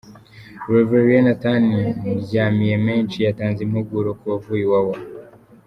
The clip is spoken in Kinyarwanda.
Rev Nathan Ndyamiyemenshi yatanze impuguro ku bavuye iwawa.